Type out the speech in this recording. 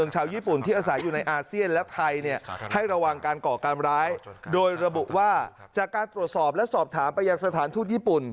จะการตรวจสอบและสอบถามไปอัพยาคสถานทุกข์ญี่ปุ่น